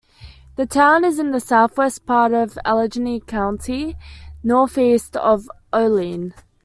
The town is in the southwest part of Allegany County, northeast of Olean.